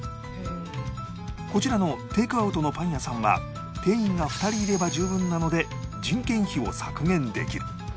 こちらのテイクアウトのパン屋さんは店員が２人いれば十分なので人件費を削減できる